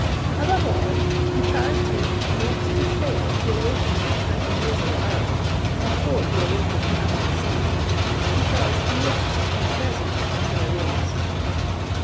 Above all, he charged him not to fail to awaken him at the usual hour, before he awakened Abou Hassan, because he wished to be present when he arose.